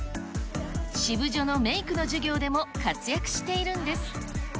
シブジョのメイクの授業でも活躍しているんです。